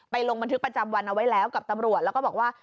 ลงบันทึกประจำวันเอาไว้แล้วกับตำรวจแล้วก็บอกว่า